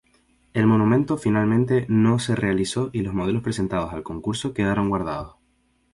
El monumento finalmente no se realizó y los modelos presentados al concurso quedaron guardados.